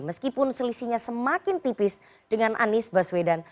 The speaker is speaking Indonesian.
meskipun selisihnya semakin tipis dengan anies baswedan